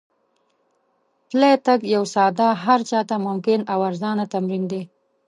پلی تګ یو ساده، هر چا ته ممکن او ارزانه تمرین دی.